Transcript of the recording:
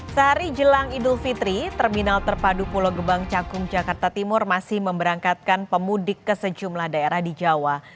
sehari jelang idul fitri terminal terpadu pulau gebang cakung jakarta timur masih memberangkatkan pemudik ke sejumlah daerah di jawa